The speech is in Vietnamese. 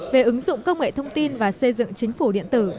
về ứng dụng công nghệ thông tin và xây dựng chính phủ điện tử